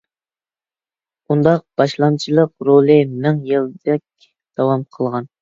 بۇنداق باشلامچىلىق رولى مىڭ يىلدەك داۋام قىلغان.